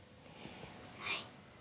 はい。